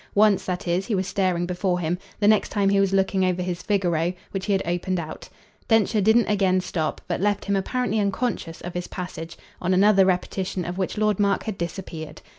Once, that is, he was staring before him; the next time he was looking over his Figaro, which he had opened out. Densher didn't again stop, but left him apparently unconscious of his passage on another repetition of which Lord Mark had disappeared.